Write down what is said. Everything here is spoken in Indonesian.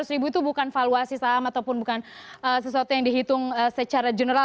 seratus ribu itu bukan valuasi saham ataupun bukan sesuatu yang dihitung secara general